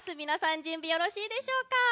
皆さん準備よろしいでしょうか。